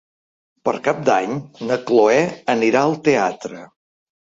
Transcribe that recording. Per Cap d'Any na Cloè anirà al teatre.